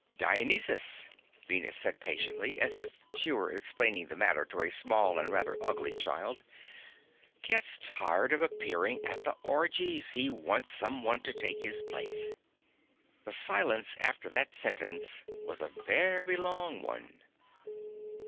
"Dionysus," Venus said patiently, as if she were explaining the matter to a small and rather ugly child, "gets tired of appearing at the orgies. He wants someone to take his place." The silence after that sentence was a very long one.